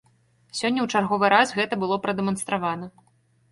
Сёння ў чарговы раз гэта было прадэманстравана.